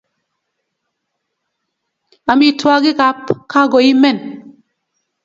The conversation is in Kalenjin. amitwogikap kokaimen